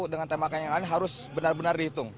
dan tembakan yang lain harus benar benar dihitung